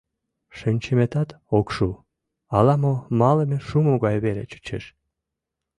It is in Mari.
Шинчыметат ок шу, ала-мо малыме шумо гай веле чучеш.